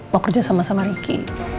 mau kerja sama sama ricky